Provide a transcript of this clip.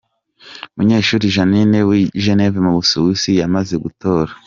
Munyeshuri Jeanninne w’i Geneve mu Busuwisi yamaze gutora .